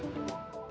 halo pak robert